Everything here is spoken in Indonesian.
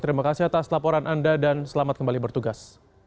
terima kasih atas laporan anda dan selamat kembali bertugas